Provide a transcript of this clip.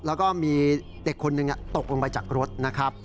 แล้วก็มีเด็กคนหนึ่งตกลงไปจากรถนะครับ